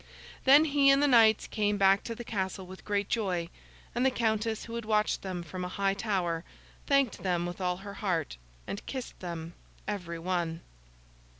Then he and the knights came back to the castle with great joy; and the Countess who had watched them from a high tower, thanked them with all her heart, and kissed them every one.